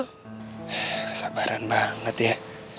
kesabaran banget ya